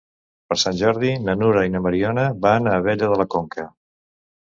Per Sant Jordi na Nura i na Mariona van a Abella de la Conca.